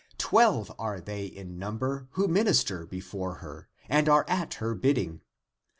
Twelve are they in number who minister before her And are at her bidding.